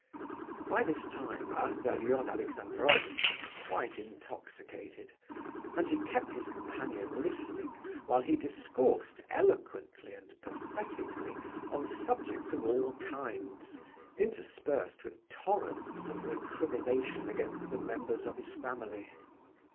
By this time Ardalion Alexandrovitch was quite intoxicated, and he kept his companion listening while he discoursed eloquently and pathetically on subjects of all kinds, interspersed with torrents of recrimination against the members of his family.